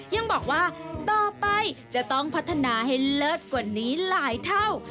ยังบอกว่าต่อไปจะต้องพัฒนาให้เลิศกว่านี้หลายเท่า